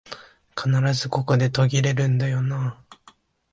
必ずここで途切れんだよなあ